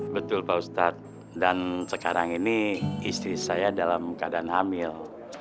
betul pak ustadz dan sekarang ini istri saya dalam keadaan hamil